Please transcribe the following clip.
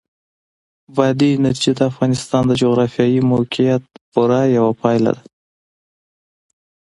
بادي انرژي د افغانستان د جغرافیایي موقیعت پوره یوه پایله ده.